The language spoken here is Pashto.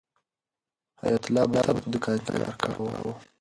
حیات الله به تل په دوکان کې کار کاوه.